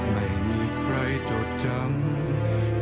ไม่มีใครจดจำ